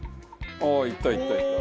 いったいったいった。